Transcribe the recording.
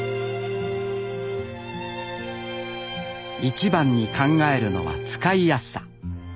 一番に考えるのは使いやすさ。